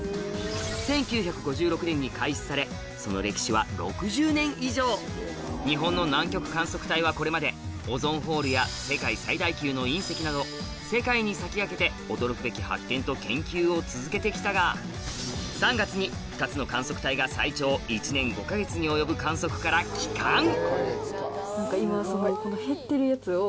１９５６年に開始されその歴史は６０年以上日本の南極観測隊はこれまでオゾンホールや世界最大級の隕石など世界に先駆けて驚くべき発見と研究を続けてきたが３月に２つの観測隊が最長１年５か月に及ぶ観測から帰還今。